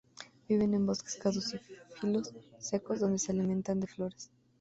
Viven en bosques caducifolios secos, donde se alimentan de flores.